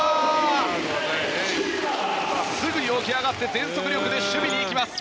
すぐに起き上がって全速力で守備に行きます。